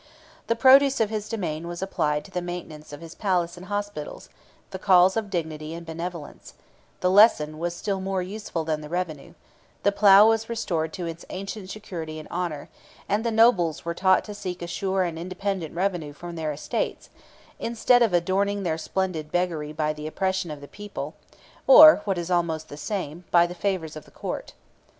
The produce of his domain was applied to the maintenance of his palace and hospitals, the calls of dignity and benevolence: the lesson was still more useful than the revenue: the plough was restored to its ancient security and honor; and the nobles were taught to seek a sure and independent revenue from their estates, instead of adorning their splendid beggary by the oppression of the people, or (what is almost the same) by the favors of the court.